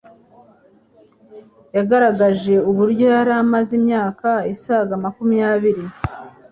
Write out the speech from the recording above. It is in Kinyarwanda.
yagaragaje uburyo yari amaze imyaka isaga makumyabiri